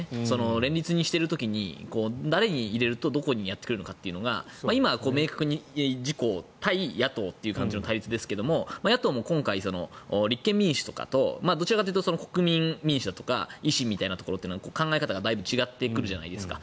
連立にしている時に誰に入れるとどこがやってくれるのかというのが今は明確に自公対野党という感じの対立ですが野党も今回、立憲民主とかとどちらかというと国民民主とか維新みたいなところというのは考え方がだいぶ違ってくるじゃないですか。